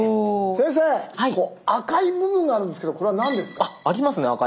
先生赤い部分があるんですけどこれは何ですか？